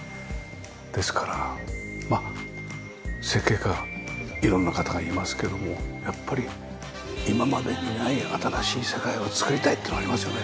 ですからまあ設計家色んな方がいますけどもやっぱり今までにない新しい世界を作りたいっていうのがありますよね。